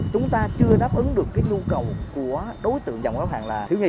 chúng ta chưa đáp ứng được nhu cầu của đối tượng dòng góp hàng là thiếu nghi